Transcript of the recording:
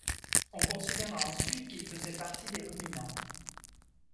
On considéra ensuite qu'ils faisaient partie des ruminants.